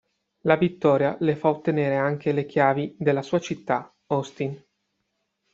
La vittoria le fa ottenere anche le chiavi della sua città natale, Austin.